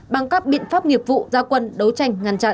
bằng các biện pháp nghiệp vụ gia quân đấu tranh ngăn chặn